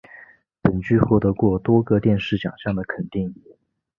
本剧获得过多个电视奖项的肯定。